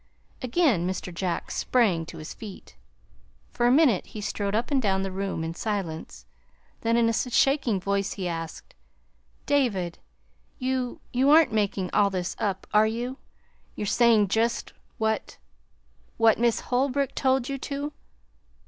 Again Mr. Jack sprang to his feet. For a minute he strode up and down the room in silence; then in a shaking voice he asked: "David, you you aren't making all this up, are you? You're saying just what what Miss Holbrook told you to?"